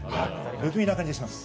不気味な感じがします。